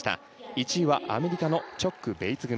１位はアメリカのチョック、ベイツ組。